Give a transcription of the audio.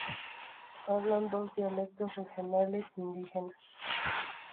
Hablan dos dialectos regionales indígenas.